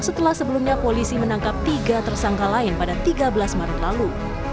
setelah sebelumnya polisi menangkap tiga tersangka lain pada tiga belas maret lalu